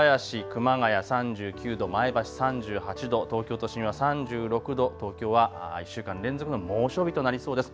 館林、熊谷３９度、前橋３８度、東京都心は３６度、東京は１週間連続の猛暑日となりそうです。